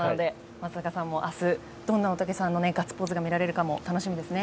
松坂さんも明日どんな大竹さんのガッツポーズが見られるかも楽しみですね。